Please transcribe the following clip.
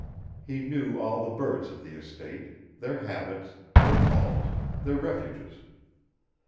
He knew all the birds of the estate, their habits, their calls, their refuges.